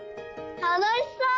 「たのしそう！」。